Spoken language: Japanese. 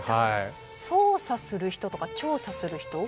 捜査する人とか、調査する人？